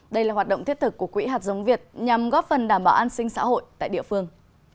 đây là hoạt động thiết thực của quỹ hạt giống việt nhằm góp phần đảm bảo an sinh xã hội tại địa phương